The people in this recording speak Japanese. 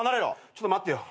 ちょっと待ってよ。